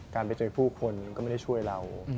การไปเจอผู้คนก็ไม่ได้ช่วยเรา